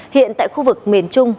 hiện tại khu vực miền trung